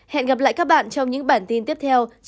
hẹn gặp lại các bạn trong những bản tin tiếp theo trên kênh antv